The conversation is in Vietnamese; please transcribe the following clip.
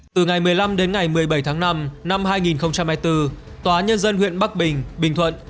từ ngày một mươi năm đến ngày một mươi bảy tháng năm năm hai nghìn hai mươi bốn tòa nhân dân huyện bắc bình bình thuận